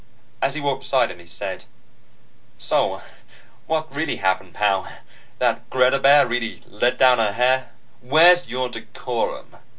As he walked beside him, he said: "So what really happened, pal? That Greta babe really let down her hair?" "Where's your decorum?"